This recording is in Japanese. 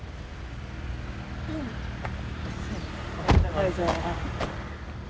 おはようございます。